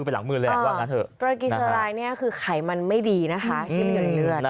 ตรายกีซาลายเนี่ยคือไขมันไม่ดีนะคะที่มันหย่อนเหนือน